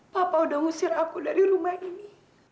papa udah ngusir aku dari rumah ini